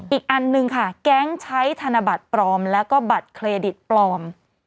อีกอันหนึ่งค่ะแก๊งใช้ธนบัตรปลอมแล้วก็บัตรเครดิตปลอม